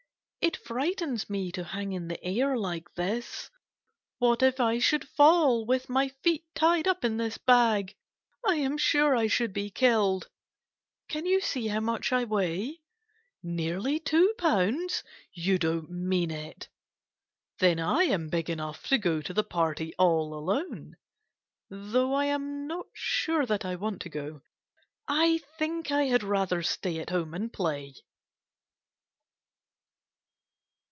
It frightens me to hang in the air like this. What if I should fall, with my feet tied up in this bag ! I am sure I should be killed ! Can you see how much I weigh? Nearly two pounds ? You don't mean it! Then I am big enough to go to the party all alone, though I am not sure that I want to go. I think I had rather stay at home and play.